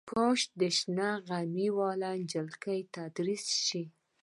کاشکې د شنه غمي واله جلکۍ تدریس شي.